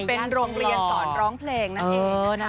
เป็นโรงเรียนสอนร้องเพลงนั่นเอง